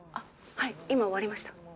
はい今終わりました。